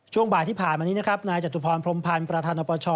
ช่วงบ่านที่ผ่านมานี้นายจตุภรพลมพันธ์พระธานประชอ